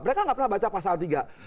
mereka nggak pernah baca pasal tiga